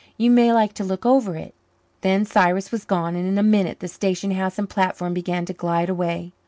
You may like to look over it." Then Cyrus was gone, and in a minute the station house and platform began to glide away.